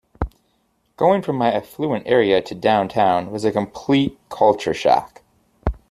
Going from my affluent area to downtown was a complete culture shock.